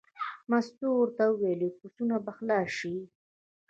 مستو ورته وویل: پسونه به خلاص شي.